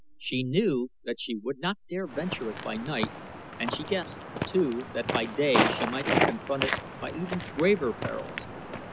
She knew that she would not dare venture it by night and she guessed, too, that by day she might be confronted by even graver perils.